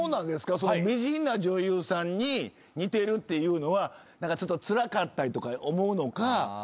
美人な女優さんに似てるっていうのは何かちょっとつらかったりとか思うのか